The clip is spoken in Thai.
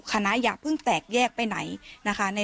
อย่าเพิ่งแตกแยกไปไหนนะคะ